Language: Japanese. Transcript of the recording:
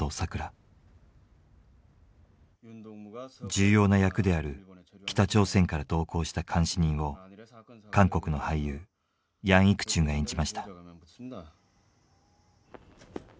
重要な役である北朝鮮から同行した監視人を韓国の俳優ヤンイクチュンが演じました。